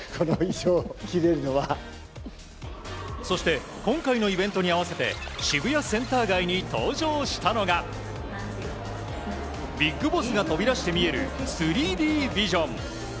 そして今回のイベントに合わせて渋谷センター街に登場したのがビッグボスが飛び出して見える３Ｄビジョン。